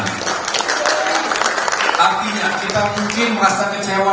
artinya kita mungkin merasa kecewa